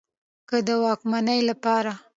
که د واکمنۍ له پاره